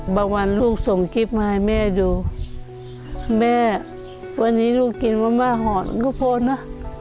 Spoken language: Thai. วันลูกส่งคลิปมาให้แม่ดูแม่วันนี้ลูกกินว่าแม่หอนก็พอนะ